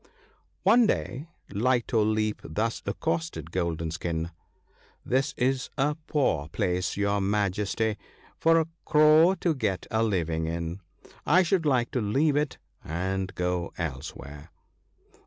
One day Light o' Leap thus accosted Golden skin :—* This is a poor place, your Majesty, for a Crow to get a living in. I should like to leave it and go elsewhere.'